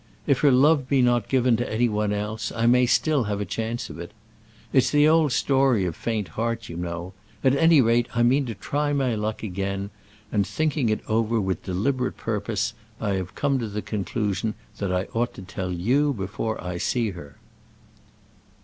If her love be not given to any one else, I may still have a chance of it. It's the old story of faint heart, you know: at any rate, I mean to try my luck again; and thinking over it with deliberate purpose, I have come to the conclusion that I ought to tell you before I see her."